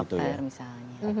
ke dokter misalnya